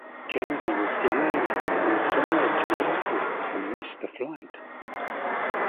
Kennedy was delayed on the drive to the airport and missed the flight.